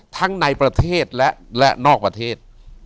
ทั้งในประเทศและและนอกประเทศ